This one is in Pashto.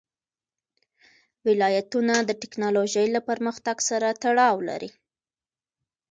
ولایتونه د تکنالوژۍ له پرمختګ سره تړاو لري.